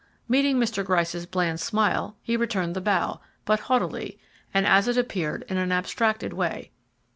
Meeting Mr. Gryce's bland smile, he returned the bow, but haughtily, and as it appeared in an abstracted way.